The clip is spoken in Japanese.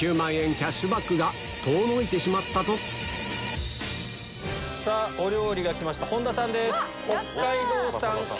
キャッシュバックが遠のいてしまったぞお料理がきました本田さんです。